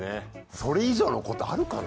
それ以上のことあるかな？